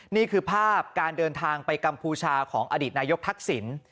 นี่คือภาพการเดินทางไปกัมพูชาของอดีตนายกทักษิณ